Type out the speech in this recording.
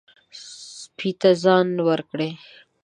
سپي ته ځای ورکړئ.